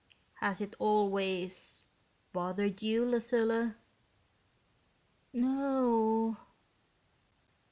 "Has it always ... bothered you, Lucilla?" "No o o o."